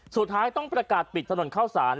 สุดท้ายต้องประกาศปิดถนนเข้าสาร